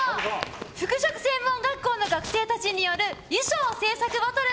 服飾専門学校の学生たちによる衣装制作バトル。